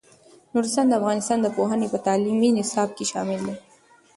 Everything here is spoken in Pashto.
نورستان د افغانستان د پوهنې په تعلیمي نصاب کې شامل دی.